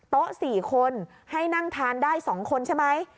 ๔คนให้นั่งทานได้๒คนใช่ไหม